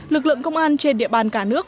lực lượng công an trên địa bàn cả nước